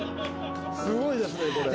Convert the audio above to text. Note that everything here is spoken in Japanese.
すごいですねこれ。